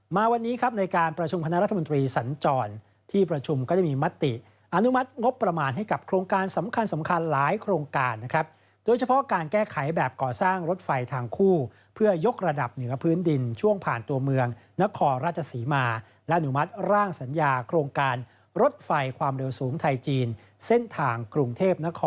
มาวันนี้ครับในการประชุมคณะรัฐมนตรีสัญจรที่ประชุมก็ได้มีมติอนุมัติงบประมาณให้กับโครงการสำคัญสำคัญหลายโครงการนะครับโดยเฉพาะการแก้ไขแบบก่อสร้างรถไฟทางคู่เพื่อยกระดับเหนือพื้นดินช่วงผ่านตัวเมืองนครราชศรีมาและอนุมัติร่างสัญญาโครงการรถไฟความเร็วสูงไทยจีนเส้นทางกรุงเทพนคร